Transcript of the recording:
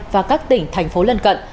và các tỉnh thành phố lân cận